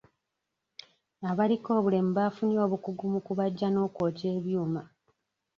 Abaliko obulemu baafunye obukugu mu kubajja n'okwokya ebyuma.